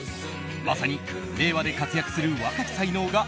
まさに令和で活躍する若き才能が